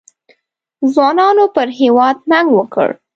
ځوانانو پر هېواد ننګ وکړ.